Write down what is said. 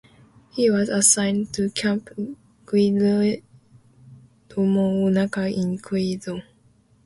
He was assigned to Camp Guillermo Nakar in Quezon.